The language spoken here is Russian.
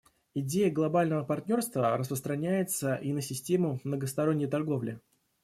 Идея глобального партнерства распространяется и на систему многосторонней торговли.